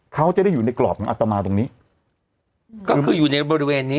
เขาจะได้อยู่ในกรอบของอัตมาตรงนี้ก็คืออยู่ในบริเวณนี้